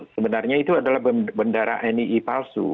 sebenarnya itu adalah bendera nii palsu